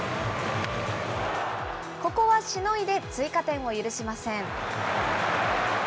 ここはしのいで追加点を許しません。